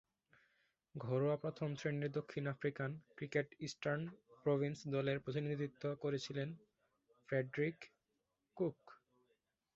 ঘরোয়া প্রথম-শ্রেণীর দক্ষিণ আফ্রিকান ক্রিকেটে ইস্টার্ন প্রভিন্স দলের প্রতিনিধিত্ব করেছিলেন ফ্রেডরিক কুক।